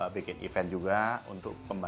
bikin event juga untuk